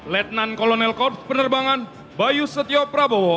lieutenant kolonel korps penerbangan bayu setia prabowo